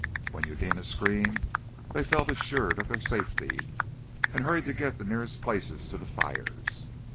When Eudena screamed they felt assured of their safety, and hurried to get the nearest places to the fires.